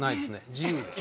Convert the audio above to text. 自由です。